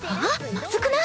まずくない？